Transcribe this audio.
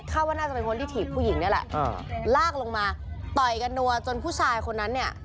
ว่าน่าจะเป็นคนที่ถีบผู้หญิงนี่แหละลากลงมาต่อยกันนัวจนผู้ชายคนนั้นเนี่ย